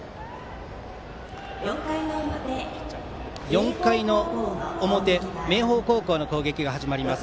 ４回の表、明豊高校の攻撃が始まります。